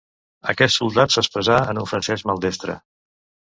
Aquest soldat s'expressà en un francès maldestre.